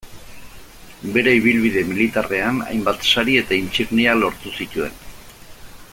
Bere ibilbide militarrean hainbat sari eta intsignia lortu zituen.